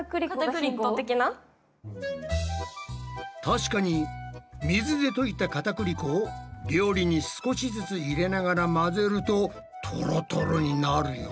確かに水で溶いたかたくり粉を料理に少しずつ入れながら混ぜるとトロトロになるよなぁ。